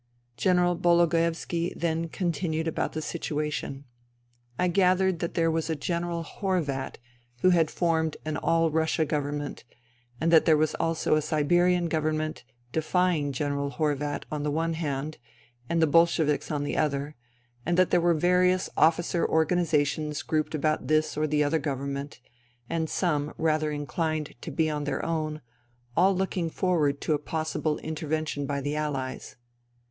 General Bologoevski then continued about the situation. I gathered that there was a General 112 FUTILITY Horvat who had formed an All Russia Government, and that there was also a Siberian Government, defying General Horvat on the one hand and the Bolsheviks on the other, and that there were various officer organizations grouped about this or the other government, and some rather inclined to be on their own, all looking forward to a possible intervention by the Allies.